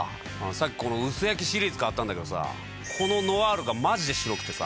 さっきこの薄焼きシリーズ買ったんだけどさぁこのノアールがマジで白くてさ。